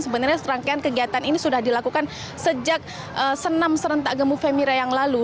sebenarnya serangkaian kegiatan ini sudah dilakukan sejak senam serentak gemuk femira yang lalu